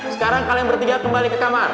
sekarang kalian bertiga kembali ke kamar